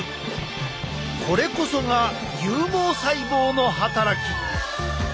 これこそが有毛細胞の働き！